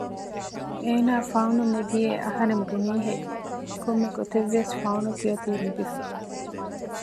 އޭނާ ފައުނު ނެގިއޭ އަހަރެން ބުނީހެއްޔެވެ؟ ކޮންމެ ގޮތެއްވިޔަސް ފައުނު ތިޔައޮތީ ލިބިފަ